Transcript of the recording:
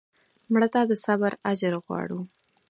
مړه ته د صبر اجر غواړو